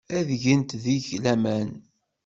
Ad gent deg-k laman.